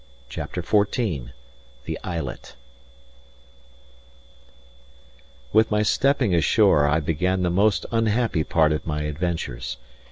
CHAPTER XIV THE ISLET With my stepping ashore I began the most unhappy part of my adventures.